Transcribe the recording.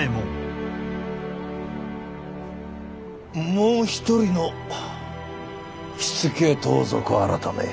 もう一人の火付盗賊改。